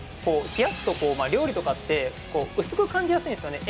冷やすと料理とかって薄く感じやすいんですよね